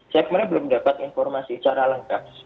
saya sebenarnya belum dapat informasi secara lengkap